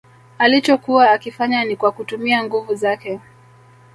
Alichokuwa akifanya ni kwa kutumia nguvu zake